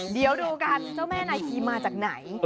เดี๋ยวดูกันเจ้าแม่นายคีมาจากไหน